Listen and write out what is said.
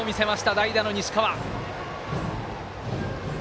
代打の西河。